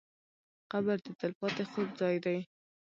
قبر د تل پاتې خوب ځای دی.